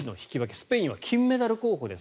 スペインは金メダル候補です。